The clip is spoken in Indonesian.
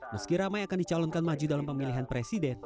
meski ramai akan dicalonkan maju dalam pemilihan presiden